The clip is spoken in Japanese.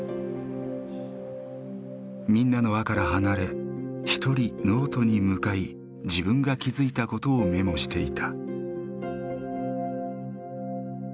みんなの輪から離れ一人ノートに向かい自分が気付いたことをメモしていた。